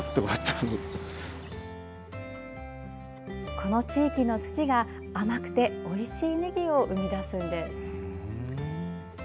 この地域の土が、甘くておいしいねぎを生み出すんです。